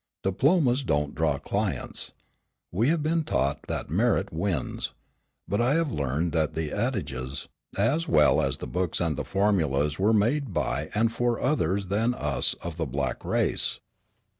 Diplomas don't draw clients. We have been taught that merit wins. But I have learned that the adages, as well as the books and the formulas were made by and for others than us of the black race.